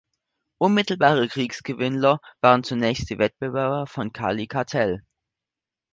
Unmittelbare Kriegsgewinnler waren zunächst die Wettbewerber vom Cali-Kartell.